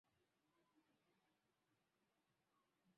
ndege huyo alipiga kichwa cha mtu masikini